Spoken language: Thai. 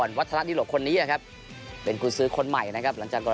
ในการจัดงานแถลงข่าว